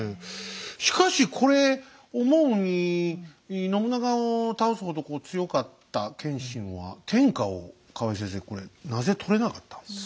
しかしこれ思うに信長を倒すほどこう強かった謙信は天下を河合先生これなぜ取れなかったんですか？